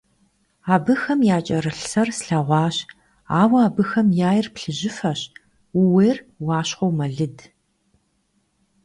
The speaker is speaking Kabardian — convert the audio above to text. Абыхэм якӀэрылъ сэр слъэгъуащ, ауэ абыхэм яир плъыжьыфэщ, ууейр уащхъуэу мэлыд.